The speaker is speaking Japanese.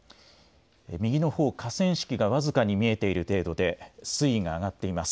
右のほう、河川敷が僅かに見えている程度で水位が上がっています。